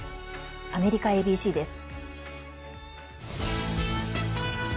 アメリカＡＢＣです。